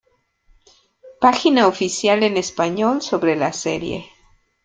Página oficial en español sobre la serie.